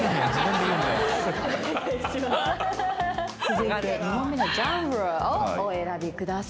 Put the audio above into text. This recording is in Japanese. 続いて２問目のジャンルをお選びください。